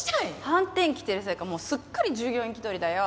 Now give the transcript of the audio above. はんてん着てるせいかもうすっかり従業員気取りだよ。